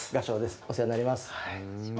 お世話になります。